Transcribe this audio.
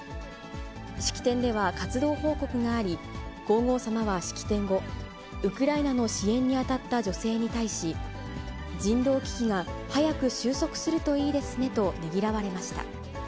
式典では活動報告があり、皇后さまは式典後、ウクライナの支援に当たった女性に対し、人道危機が早く収束するといいですねとねぎらわれました。